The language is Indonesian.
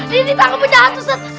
kita kepedahan ustadz